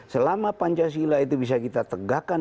selama pancasila itu bisa kita tegakkan